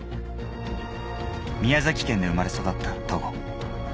宮崎県で生まれ育った戸郷。